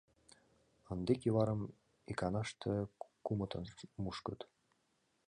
Ынде кӱварым иканаште кумытын мушкыт.